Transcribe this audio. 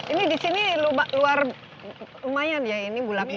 ini di sini lumayan ya ini bulat balik